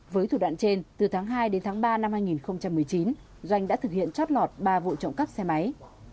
với thủ đoạn trên từ tháng hai đến tháng ba năm hai nghìn một mươi chín doanh đã thực hiện chót lọt ba vụ trộm cắp xe máy